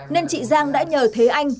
nên chị giang đã nhờ thế anh